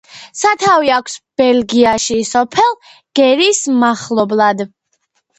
სათავე აქვს ბელგიაში, სოფელ გერის მახლობლად.